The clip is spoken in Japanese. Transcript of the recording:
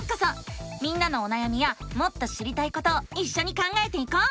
みんなのおなやみやもっと知りたいことをいっしょに考えていこう！